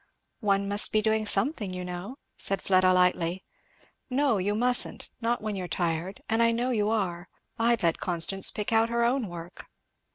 "One must be doing something, you know," said Fleda lightly. "No you mustn't not when you're tired and I know you are. I'd let Constance pick out her own work."